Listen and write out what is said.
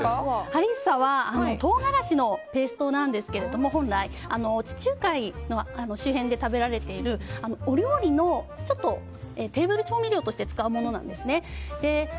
ハリッサは唐辛子のペーストなんですけど地中海の周辺で食べられているお料理のテーブル調味料として使われるものなんですね。